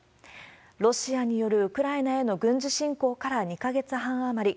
ロシアによるウクライナへの軍事侵攻から２か月半余り。